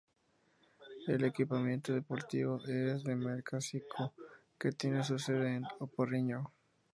El equipamiento deportivo es de marca Zico, que tiene su sede en O Porriño.